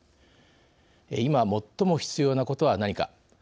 今、最も必要なことは何か。